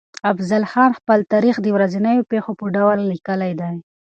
افضل خان خپل تاريخ د ورځنيو پېښو په ډول ليکلی دی.